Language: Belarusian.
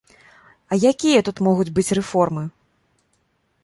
А якія тут могуць быць рэформы?